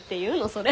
それ。